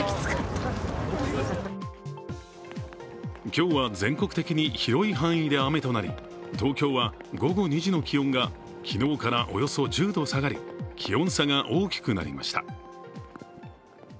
今日は、全国的に広い範囲で雨となり東京は午後２時の気温が昨日からおよそ１０度下がり気温差が大きくなりました。